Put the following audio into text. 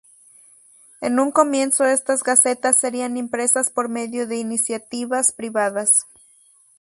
En un comienzo estas gacetas serían impresas por medio de iniciativas privadas.